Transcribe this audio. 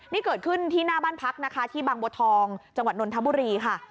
นี่เกิดขึ้นที่หน้าบ้านพักนะคะที่บางบัวทองจังหวัดนนทบุรีค่ะ